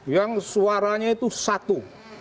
yang suaranya itu satu